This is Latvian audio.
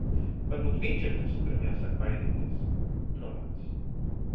Varbūt viņš ir tas, kuram jāsāk baidīties... no manis.